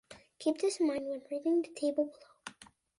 Keep this in mind when reading the table below.